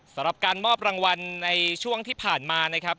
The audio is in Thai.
สำหรับการมอบรางวัลในช่วงที่ผ่านมานะครับ